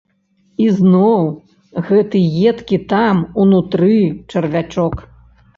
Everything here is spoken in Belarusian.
І зноў гэты едкі там, унутры, чарвячок.